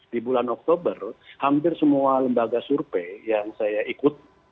di bulan oktober hampir semua lembaga survei yang saya ikut